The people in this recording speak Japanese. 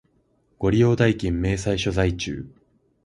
ご利用代金明細書在中